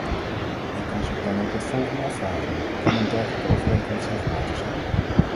Men kan zich dan ook het volgende afvragen: kan een dergelijke overeenkomst rechtmatig zijn?